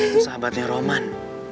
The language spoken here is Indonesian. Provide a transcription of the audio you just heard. itu sahabatnya romlan